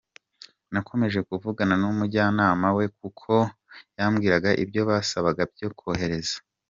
Nakomeje kuvugana n’umujyanama we kuko yambwiraga ibyo basabaga byo kohereza.